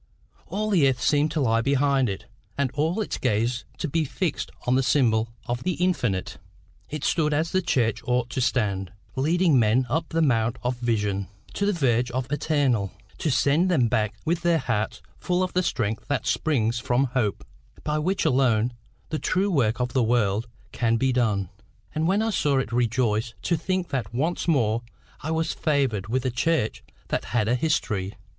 All the earth seemed to lie behind it, and all its gaze to be fixed on the symbol of the infinite. It stood as the church ought to stand, leading men up the mount of vision, to the verge of the eternal, to send them back with their hearts full of the strength that springs from hope, by which alone the true work of the world can be done. And when I saw it I rejoiced to think that once more I was favoured with a church that had a history.